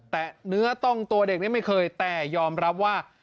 แต่เนื้อต้องตัวเด็กนี้ไม่เคยแต่ยอมรับว่า